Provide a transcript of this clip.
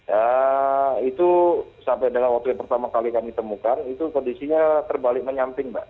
ya itu sampai dengan waktu yang pertama kali kami temukan itu kondisinya terbalik menyamping mbak